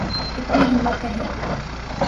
اتنی ہمت نہیں۔